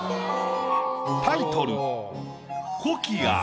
タイトル